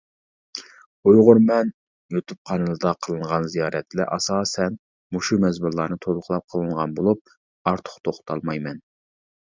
«ئۇيغۇر مەن» يۇتۇپ قانىلىدا قىلىنغان زىيارەتلەر ئاساسەن مۇشۇ مەزمۇنلارنى تولۇقلاپ قىلىنغان بولۇپ ئارتۇق توختالمايمەن.